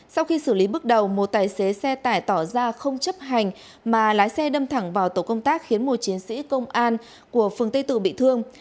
sau khi xử lý bước đầu một tài xế xe tải tỏ ra không chấp hành mà lái xe đâm thẳng vào tổ công tác khiến một chiến sĩ công an của phường tây tử bị thương